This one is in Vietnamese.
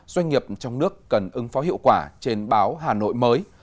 doanh nghiệp trong nước cần ứng phó hiệu quả trên báo hà nội mới